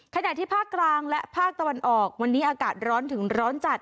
ขณะที่ภาคกลางและภาคตะวันออกวันนี้อากาศร้อนถึงร้อนจัด